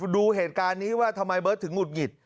ดูเหตุการณ์นี้ว่าทำไมเบิร์ตถึงหุดหงิด